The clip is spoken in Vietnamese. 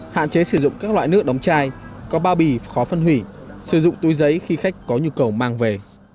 hạn chế sử dụng các loại nước đóng chai có bao bì khó phân hủy sử dụng túi giấy khi khách có nhu cầu mang về